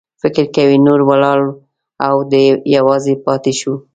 فکر کوي نور ولاړل او دی یوازې پاتې شو.